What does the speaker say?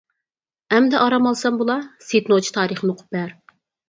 -ئەمدى ئارام ئالسام بولا؟ -سېيىت نوچى تارىخىنى ئوقۇپ بەر!